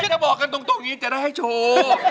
ไม่จะบอกกันตรงแจ้วนะให้โชว์